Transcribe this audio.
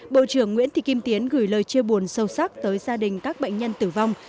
bộ trưởng nguyễn thị kim tiến gửi lời chia buồn sâu sắc tới gia đình các bệnh nhân tử vong